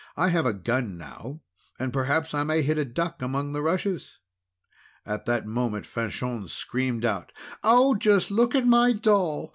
I have a gun now, and perhaps I may hit a duck among the rushes." At that moment, Fanchon screamed out: "Oh! just look at my doll!